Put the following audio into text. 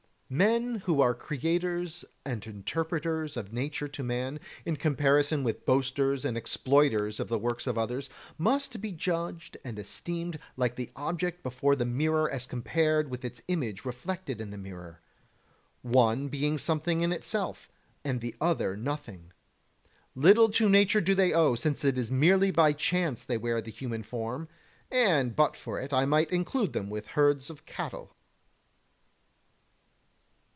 Men who are creators and interpreters of nature to man, in comparison with boasters and exploiters of the works of others, must be judged and esteemed like the object before the mirror as compared with its image reflected in the mirror. one being something in itself, and the other nothing. Little to nature do they owe, since it is merely by chance they wear the human form, and but for it I might include them with herds of cattle.